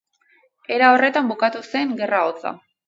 Era horretan bukatu zen Gerra Hotza.